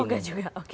oh enggak juga oke